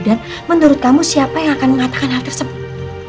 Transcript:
dan menurut kamu siapa yang akan mengatakan hal tersebut